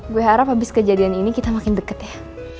gue harap habis kejadian ini kita makin deket ya